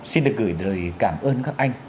xin được gửi lời cảm ơn các anh